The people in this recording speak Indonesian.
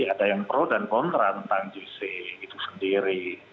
ada yang pro dan kontra tentang jc itu sendiri